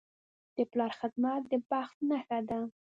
د پلار خدمت د بخت نښه ده.